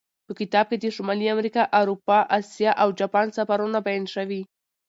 په کتاب کې د شمالي امریکا، اروپا، اسیا او جاپان سفرونه بیان شوي.